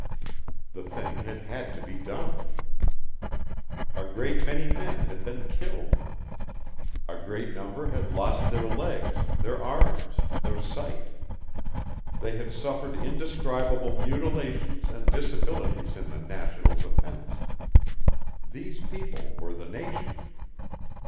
The thing had had to be done. A great many men had been killed. A great number had lost their legs, their arms, their sight. They had suffered indescribable mutilations and disabilities in the national defense. These people were the nation.